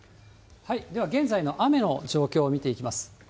では現在の雨の状況を見ていきます。